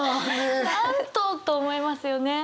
何とと思いますよね。